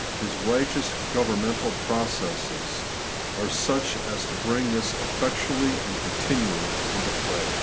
His righteous governmental processes, are such as to bring this effectually and continually into play.